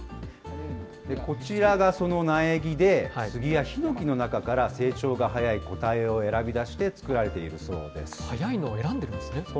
こちらがその苗木で、スギやヒノキの中から成長が速い個体を選び出して作られているそ速いのを選んでいるんですね。